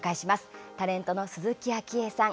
タレントの鈴木あきえさん